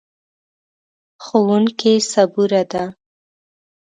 ښوونکې صبوره ده.